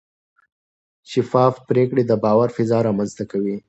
شفاف پریکړې د باور فضا رامنځته کوي.